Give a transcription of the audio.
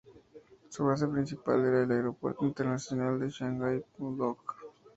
Su base principal era el Aeropuerto Internacional de Shanghái-Pudong.